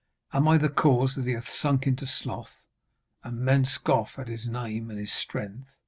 Am I the cause that he hath sunk in sloth, and men scoff at his name and his strength?'